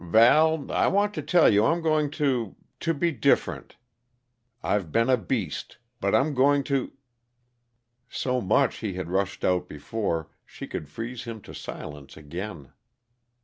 "Val, I want to tell you I'm going to to be different. I've been a beast, but I'm going to " So much he had rushed out before she could freeze him to silence again.